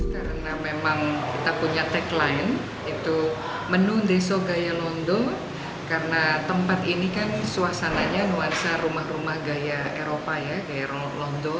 karena memang kita punya tagline itu menu deso gaya londo karena tempat ini kan suasananya nuansa rumah rumah gaya eropa ya gaya londo